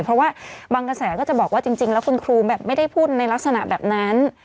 เพราะว่าบางกระแสก็จะบอกว่าจริงแล้วคุณครูแบบไม่ได้พูดในลักษณะแบบนั้น